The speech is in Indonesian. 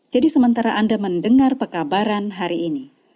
jadi sementara anda mendengar pekabaran hari ini